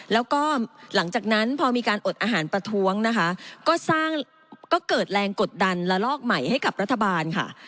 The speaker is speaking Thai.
แล้วก็หลังจากนั้นพอมีการอดอาหารประท้วงนะคะก็สร้างก็เกิดแรงกดดันละลอกใหม่ให้กับรัฐบาลค่ะ